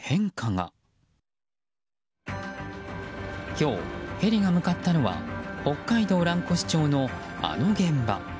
今日、ヘリが向かったのは北海道蘭越町のあの現場。